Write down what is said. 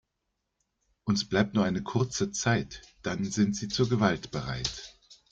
Uns bleibt nur eine kurze Zeit, dann sind sie zur Gewalt bereit.